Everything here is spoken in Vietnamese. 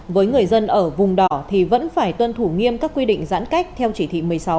với người dân ở vùng đỏ thì vẫn phải tuân thủ nghiêm các quy định giãn cách theo chỉ thị một mươi sáu